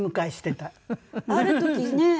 ある時ね